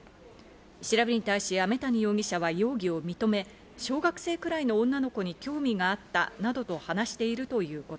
調べに対し飴谷容疑者は容疑を認め、小学生くらいの女の子に興味があったなどと話しているということ